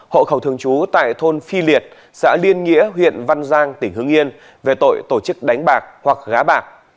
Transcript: hộ khẩu thường trú tại thôn phi liệt xã liên nghĩa huyện văn giang tỉnh hưng yên về tội tổ chức đánh bạc hoặc gá bạc